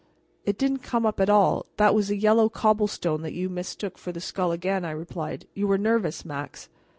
"It didn't come up at all; that was a yellow cobblestone that you mistook for the skull again," I replied. "You were nervous, Max."